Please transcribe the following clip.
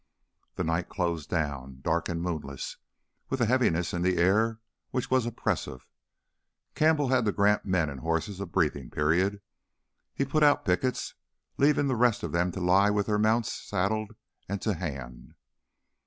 The night closed down, dark and moonless, with a heaviness in the air which was oppressive. Campbell had to grant men and horses a breathing period. He put out pickets, leaving the rest of them to lie with their mounts saddled and to hand.